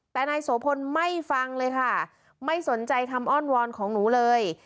แต่นายโสพลไม่ฟังเลยค่ะไม่สนใจคำอ้อนวอนของหนูเลย